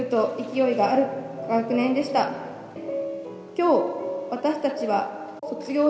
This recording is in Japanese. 今日私たちは卒業します。